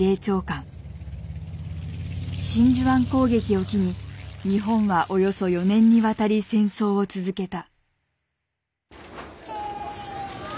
真珠湾攻撃を機に日本はおよそ４年にわたり戦争を続けた。